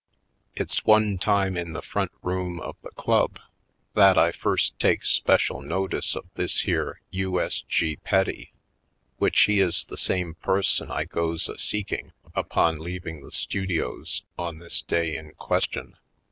It's one time in the front room of the club 146 /. PoindexteVj Colored , that I first takes special notice of this here U. S. G. Petty, which he is the same per son I goes a seeking upon leaving the stu dios on this day in question.